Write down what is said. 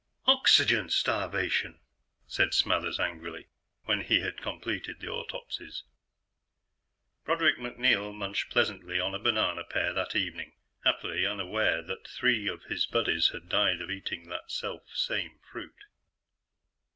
"Oxygen starvation," said Smathers angrily, when he had completed the autopsies. Broderick MacNeil munched pleasantly on a banana pear that evening, happily unaware that three of his buddies had died of eating that self same fruit.